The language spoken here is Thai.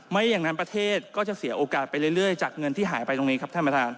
ไม่อย่างนั้นประเทศก็จะเสียโอกาสไปเรื่อยจากเงินที่หายไปตรงนี้ครับท่านประธาน